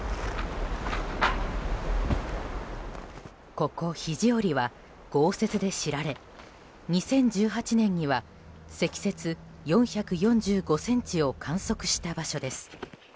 ここ肘折は豪雪で知られ２０１８年には積雪４４５ｃｍを観測した場所です。